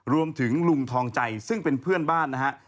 รวมถึงลุงทองใจซึ่งเป็นเพื่อนบ้านนะครับ